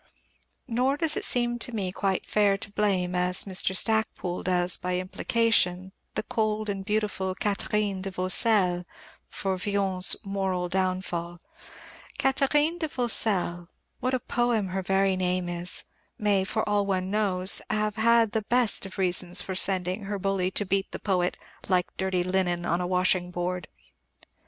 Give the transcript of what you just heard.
Nor does it seem to, me quite fair to blame, as Mr. Stacpoole does by implication, the cold and beautiful Katherine de Vaucelles for Villon's moral downfall. Katherine de Vaucelles what a poem her very name is! may, for all one knows, have had the best of reasons for sending her bully to beat the poet "like dirty linen on the washing board."